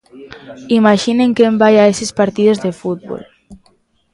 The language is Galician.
Imaxinen quen vai a eses partidos de fútbol.